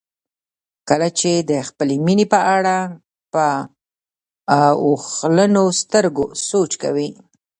کله چې د خپلې مینې په اړه په اوښلنو سترګو سوچ کوئ.